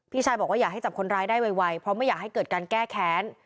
ชายบอกว่าอยากให้จับคนร้ายได้ไวเพราะไม่อยากให้เกิดการแก้แค้น